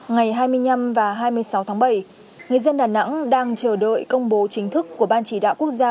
ngày hai mươi năm và hai mươi sáu tháng bảy người dân đà nẵng đang chờ đợi công bố chính thức của ban chỉ đạo quốc gia